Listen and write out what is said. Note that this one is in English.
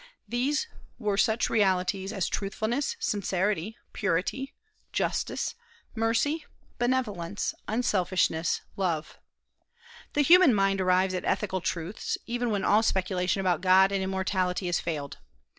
These were such realities as truthfulness, sincerity, purity, justice, mercy, benevolence, unselfishness, love. The human mind arrives at ethical truths, even when all speculation about God and immortality has failed.